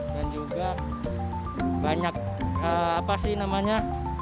juga banyak apa sih namanya